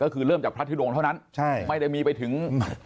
ก็คือเริ่มจากพระทุดงเท่านั้นใช่ไม่ได้มีไปถึง